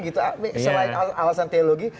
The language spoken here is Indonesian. gitu selain alasan teologi